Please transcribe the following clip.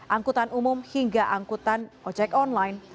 angkutan umum hingga angkutan ojek online